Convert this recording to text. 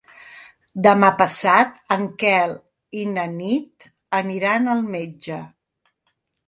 Demà passat en Quel i na Nit aniran al metge.